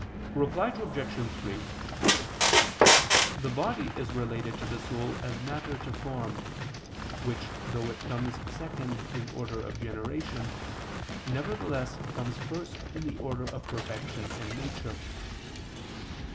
Reply Obj. 3: The body is related to the soul as matter to form, which though it comes second in order of generation, nevertheless comes first in the order of perfection and nature.